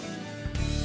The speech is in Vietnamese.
cho thiết bị